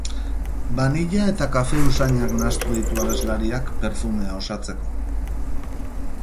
Banilla eta kafe usainak nahastu ditu abeslariak perfumea osatzeko.